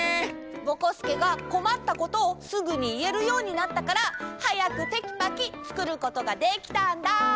ぼこすけがこまったことをすぐにいえるようになったからはやくテキパキつくることができたんだ！